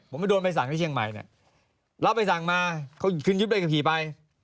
ผมไปโดนใบสั่งที่เชียงใหม่เนี่ยรับใบสั่งมาเขาขึ้นยึดใบขับขี่ไป